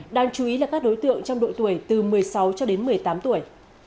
đáng chú ý là các đối tượng trong độ tuổi từ một mươi sáu cho đến một mươi tám tuổi